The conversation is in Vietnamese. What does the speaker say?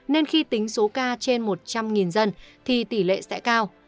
nên khi tính số ca trên một trăm linh dân thì tỷ lệ sẽ cao